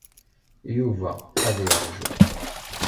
Yuba ad yeṛju.